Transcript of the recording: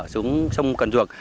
xuống sông cần duột